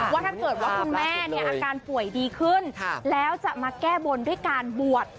ว่าถ้าเกิดว่าคุณแม่เนี่ยอาการป่วยดีขึ้นแล้วจะมาแก้บนด้วยการบวช